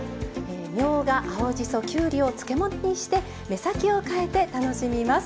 みょうが青じそきゅうりを漬物にして目先を変えて楽しみます。